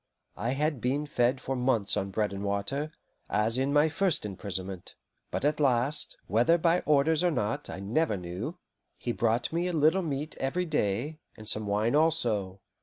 I had been fed for months on bread and water, as in my first imprisonment, but at last whether by orders or not, I never knew he brought me a little meat every day, and some wine also.